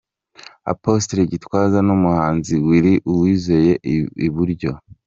Apostle Gitwaza n’umuhanzi Willy Uwizeye Iburyo.